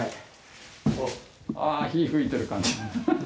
あ火ふいてる感じ。